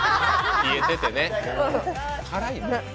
冷えててね。